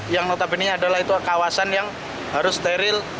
yang notabene adalah itu kawasan yang harus steril